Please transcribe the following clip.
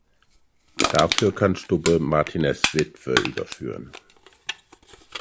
Dafür kann Stubbe Martinez Witwe überführen.